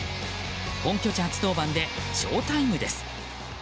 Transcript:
本拠地初登板でショータイムです。